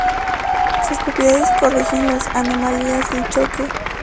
Sus propiedades corrigen las anomalías del choque.